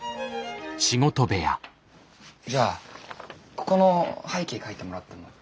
じゃあここの背景描いてもらっても？